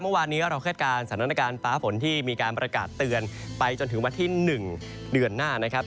เมื่อวานนี้เราคาดการณ์สถานการณ์ฟ้าฝนที่มีการประกาศเตือนไปจนถึงวันที่๑เดือนหน้านะครับ